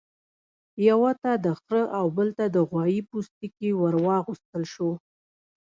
یوه ته د خرۀ او بل ته د غوايي پوستکی ورواغوستل شو.